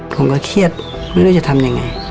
ผมก็เครียดไม่รู้จะทำยังไง